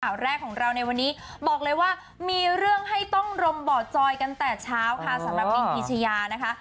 ข่าวแรกของเราในวันนี้บอกเลยว่ามีเรื่องให้ต้องรมบ่อจอยกันแต่เช้าค่ะสำหรับมินพีชยานะคะ